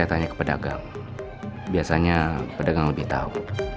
saya tanya ke pedagang biasanya pedagang lebih tahu